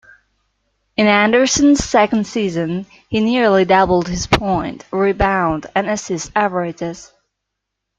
In Anderson's second season he nearly doubled his point, rebound, and assist averages.